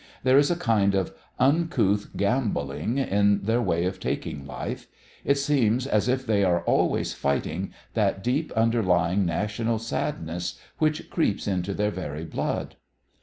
There is a kind of uncouth gambolling in their way of taking life. It seems as if they are always fighting that deep, underlying, national sadness which creeps into their very blood.